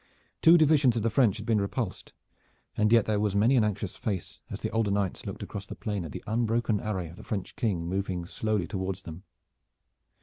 Two divisions of the French had been repulsed, and yet there was many an anxious face as the older knights looked across the plain at the unbroken array of the French King moving slowly toward them.